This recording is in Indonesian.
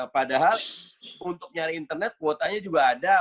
padahal untuk nyari internet kuotanya juga ada